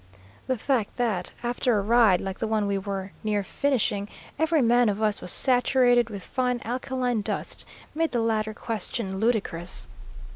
The fact that, after a ride like the one we were near finishing, every man of us was saturated with fine alkaline dust, made the latter question ludicrous.